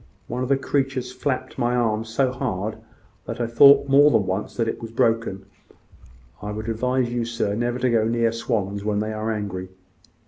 One of the creatures flapped my arm so hard, that I thought more than once it was broken. I would advise you, sir, never to go near swans when they are angry."